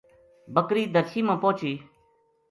بکری درشی ما پوہچی